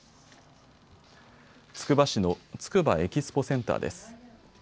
つくば市のつくばエキスポセンターです。